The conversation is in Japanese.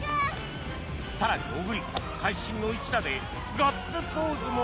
更に小栗会心の一打でガッツポーズも